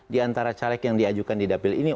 di antara caleg yang diajukan di dapil ini